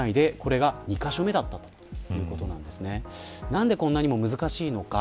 何でこんなにも難しいのか。